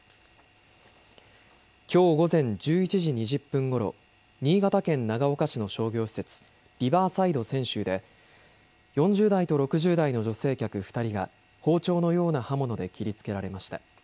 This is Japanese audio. きょう午前１１時２０分ごろ新潟県長岡市の商業施設、リバーサイド千秋で４０代と６０代の女性客２人が包丁のような刃物で切りつけられました。